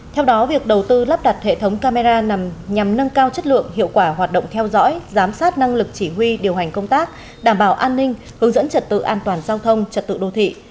theo đó việc đầu tư lắp đặt hệ thống camera nằm nhằm nâng cao chất lượng hiệu quả hoạt động theo dõi giám sát năng lực chỉ huy điều hành công tác đảm bảo an ninh hướng dẫn trật tự an toàn giao thông trật tự đô thị